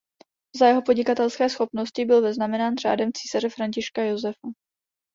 Za jeho podnikatelské schopnosti byl vyznamenán řádem císaře Františka Josefa.